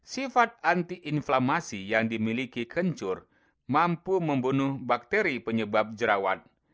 sifat anti inflamasi yang dimiliki kencur mampu membunuh bakteri penyebab jerawan